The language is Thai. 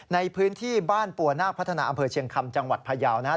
ในพื้นที่บ้านปัวนาคพัฒนาอำเภอเชียงคำจังหวัดพยาวนะครับ